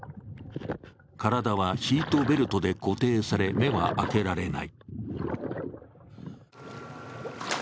体はシートベルトで固定され、目は開けられない。